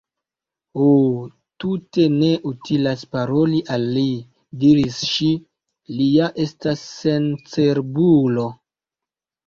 "Ho, tute ne utilas paroli al li," diris ŝi, "li ja estas sencerbulo."